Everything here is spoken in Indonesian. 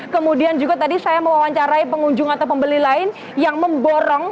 kemudian juga tadi saya mewawancarai pengunjung atau pembeli lain yang memborong